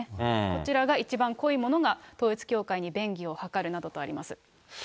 こちらが一番濃いものが、統一教会に便宜を図るなどとあります。